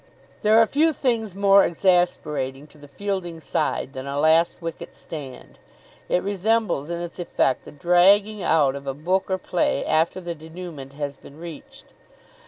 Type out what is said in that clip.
There are few things more exasperating to the fielding side than a last wicket stand. It resembles in its effect the dragging out of a book or play after the dénouement has been reached.